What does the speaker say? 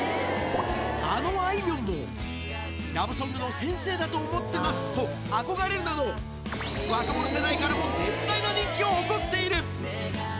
あのあいみょんも、ラブソングの先生だと思ってますと憧れるなど、若者世代からも絶大な人気を誇っている。